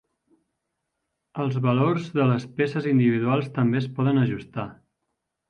Els valors de les peces individuals també es poden ajustar.